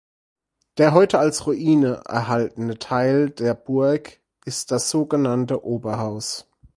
Der heute als Ruine erhaltene Teil der Burg ist das sogenannte Oberhaus.